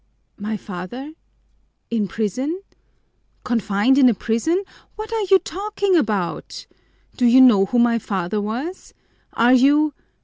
"My father in prison confined in a prison? What are you talking about? Do you know who my father was? Are you